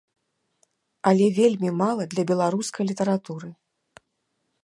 Але вельмі мала для беларускай літаратуры.